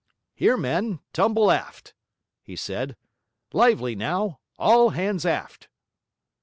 'Here, men! tumble aft!' he said. 'Lively now! All hands aft!'